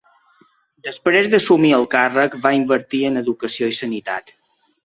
Després d'assumir el càrrec va invertir en educació i sanitat.